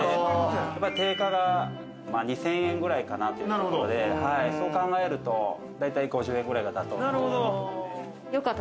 定価が２０００円ぐらいかなということでそう考えると大体５０円ぐらいが妥当な金額。